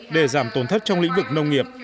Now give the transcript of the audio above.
để giảm tổn thất trong lĩnh vực nông nghiệp